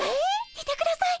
いてください